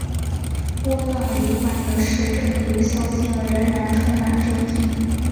波浪理论的实证有效性仍然充满争议。